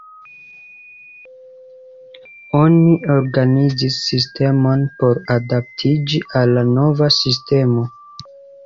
Oni organizis sistemon por adaptiĝi al la nova sistemo.